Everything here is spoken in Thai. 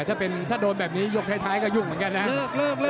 ถ้าโดนแบบนี้ยกท้ายก็ยุ่งเหมือนกันนะ